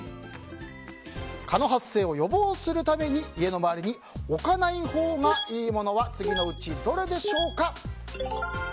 蚊の発生予防するために家の周りに置かないほうがいいものは次のうちどれでしょうか。